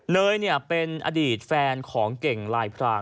เนยเป็นอดีตแฟนของเก่งลายพราง